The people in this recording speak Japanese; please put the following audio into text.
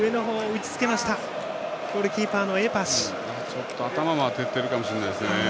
ちょっと頭も当ててるかもしれないですね。